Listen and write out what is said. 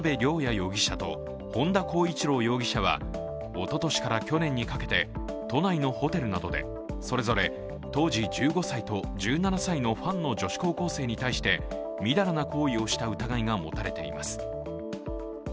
容疑者と本田孝一朗容疑者はおととしから去年にかけて都内のホテルなどでそれぞれ当時１５歳と１７歳のファンの女子高校生に対して淫らな行為をした疑いが持たれています。